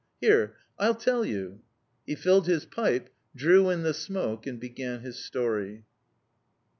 "Here, I'll tell you."... He filled his pipe, drew in the smoke, and began his story.